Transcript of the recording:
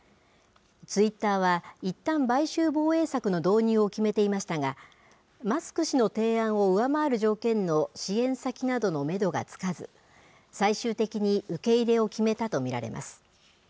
ツイッターは、いったん、買収防衛策の導入を決めていましたが、マスク氏の提案を上回る条件の支援先などのメドがつかず、最終的に受け入れを決めたと見られます。